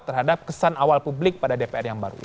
terhadap kesan awal publik pada dpr yang baru